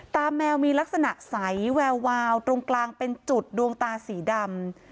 แมวมีลักษณะใสแวววาวตรงกลางเป็นจุดดวงตาสีดำ